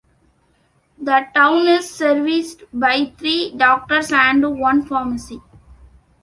The town is serviced by three doctors and one pharmacy.